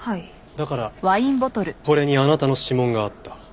だからこれにあなたの指紋があった。